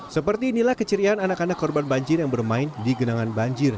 seperti inilah keceriaan anak anak korban banjir yang bermain di genangan banjir